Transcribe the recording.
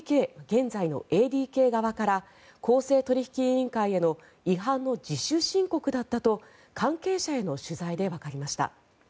現在のＡＤＫ側から公正取引委員会への違反の自主申告だったと関係者への取材でわかりました。